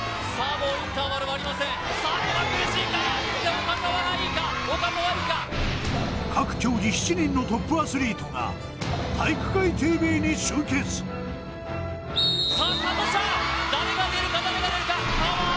もうインターバルがありません苦しいか岡澤がいいか岡澤いいか各競技７人のトップアスリートが「体育会ＴＶ」に集結さあスタートした誰が出るか誰が出るかパワー